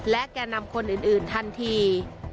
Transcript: และแก่นำคนอื่นทันที